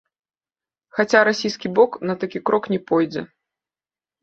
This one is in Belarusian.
Хаця расійскі бок на такі крок не пойдзе.